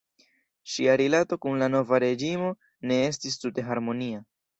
Ŝia rilato kun la nova reĝimo ne estis tute harmonia.